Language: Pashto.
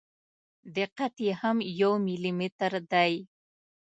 دقت یې هم یو ملي متر دی.